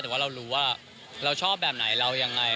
แต่ว่าเรารู้ว่าเราชอบแบบไหนเรายังไง